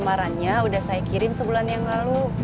amarannya udah saya kirim sebulan yang lalu